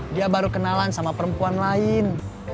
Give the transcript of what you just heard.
dia baru kenalan sama perempuan lain